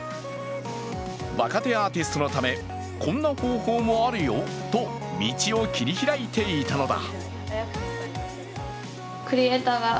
若手アーティストのため、こんな方法もあるよと道を切り開いていたのだ。